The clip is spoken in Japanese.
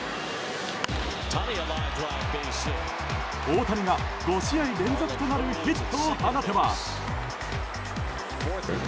大谷が５試合連続となるヒットを放てば。